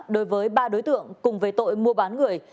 đối với ba đối tượng cùng về tội mua bán người